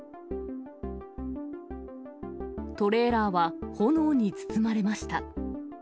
トレーラーは炎に包まれました。